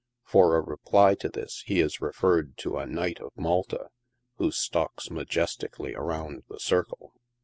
For a reply to this he is referred to a Knight of Malta, who stalks majestically around the circle.